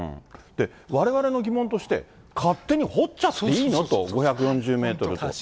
われわれの疑問として、勝手に掘っちゃっていいの？と、５４０メートルと。